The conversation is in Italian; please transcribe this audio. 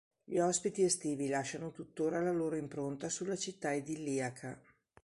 Gli ospiti estivi lasciano tuttora la loro impronta sulla città idilliaca.